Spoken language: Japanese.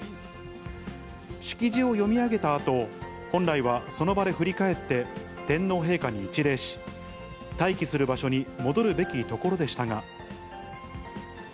式辞を読み上げたあと、本来はその場で振り返って、天皇陛下に一礼し、待機する場所に戻るべきところでしたが。